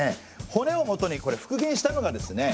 骨をもとに復元したのがですね